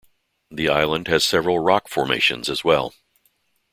The island has several rock formations as well.